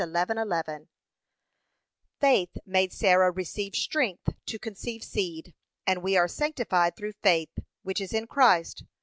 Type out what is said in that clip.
11:11) Faith made Sarah receive strength to conceive seed, and we are sanctified through faith, which is in Christ.